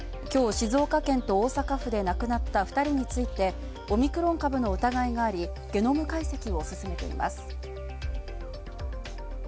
今日静岡県と大阪府で亡くなった２人について、オミクロン株の疑いがあり、ゲノム解析を進めています。